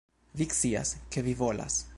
Vi scias, ke vi volas